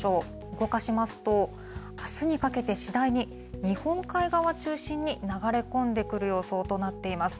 動かしますと、あすにかけて次第に日本海側中心に流れ込んでくる予想となっています。